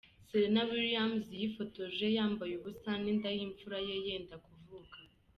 Serena Williams yifotoje yambaye ubusa n'inda y'imfura ye yenda kuvuka.